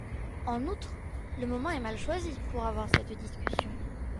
En outre, le moment est mal choisi pour avoir cette discussion.